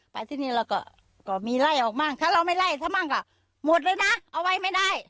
ไปที่นี่เราก็มีไล่ออกบ้างถ้าเราไม่ไล่ถ้ามั่งก็หมดเลยนะเอาไว้ไม่ได้